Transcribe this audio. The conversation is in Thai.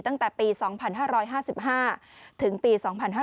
ตั้งแต่ปี๒๕๕๕ถึงปี๒๕๕๙